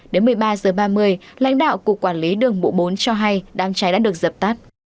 đến một mươi ba h ba mươi lãnh đạo cục quản lý đường bộ bốn cho hay đám cháy đã được dập tắt